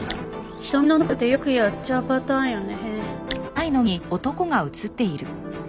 瞳の中ってよくやっちゃうパターンよね。